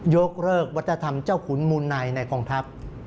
ยกเลิกวัฒนธรรมเจ้าขุนมูลในในกองทัพ